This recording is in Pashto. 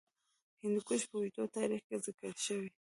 هندوکش په اوږده تاریخ کې ذکر شوی.